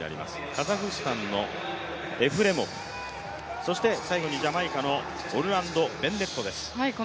カザフスタンのエフレモフ、そして最後にジャマイカのオルランド・ベンネットです。